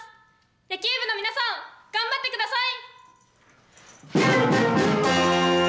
野球部の皆さん頑張ってください！